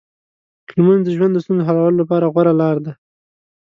لمونځ د ژوند د ستونزو حلولو لپاره غوره لار ده.